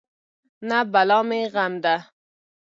نه بلا مې غم ده.